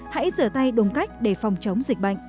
hãy rửa tay đúng cách để phòng chống dịch bệnh